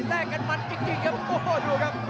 แลกกันมันจริงครับ